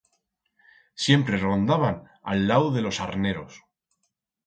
Siempre rondaban a'l lau de los arneros.